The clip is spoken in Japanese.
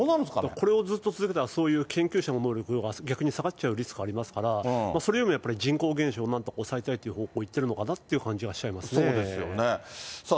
これをずっと続けたらそういう研究者の能力が逆に下がっちゃうリスクありますから、それよりもやっぱり人口減少を抑えたいって方向に行ってるのかなそうですよね。